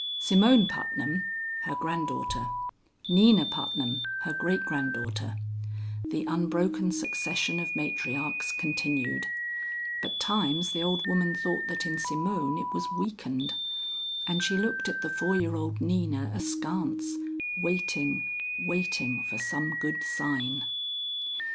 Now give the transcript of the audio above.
Simone Putnam, her granddaughter; Nina Putnam, her great granddaughter; the unbroken succession of matriarchs continued, but times the old woman thought that in Simone it was weakened, and she looked at the four year old Nina askance, waiting, waiting, for some good sign.